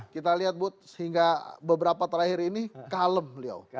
kita lihat bu sehingga beberapa terakhir ini kalem beliau